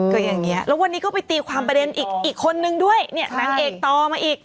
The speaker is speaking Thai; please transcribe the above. ก็อย่างนี้แล้ววันนี้ก็ไปตีความประเด็นอีกคนนึงด้วยเนี่ยนางเอกต่อมาอีก